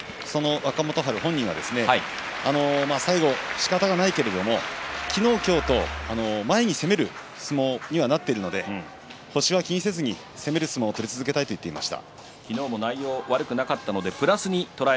若元春しかたがないけれども昨日、今日と前に攻める相撲になっているので星は気にせずに、攻める相撲を取りたいと言っていました。